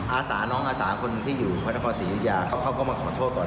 อาสาน้องอาสาคนที่อยู่พระนครศรียุธยาเขาก็มาขอโทษก่อน